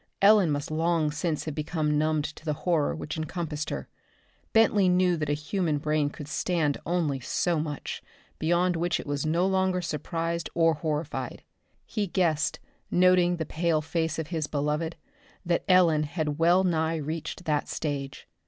Ellen must long since have become numbed to the horror which encompassed her. Bentley knew that a human brain could stand only so much, beyond which it was no longer surprised or horrified. He guessed, noting the pale face of his beloved, that Ellen had well nigh reached that stage.